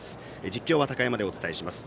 実況は高山でお伝えします。